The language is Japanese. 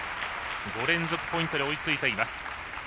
５連続ポイントで追いついています。